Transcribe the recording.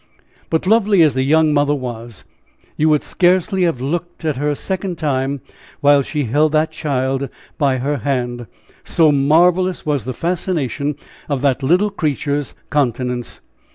But lovely as the young mother was, you would scarcely have looked at her a second time while she held that child by her hand so marvelous was the fascination of that little creature's countenance.